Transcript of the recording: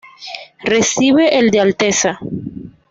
Recibe el de "Alteza".